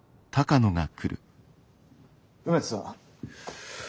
梅津さん。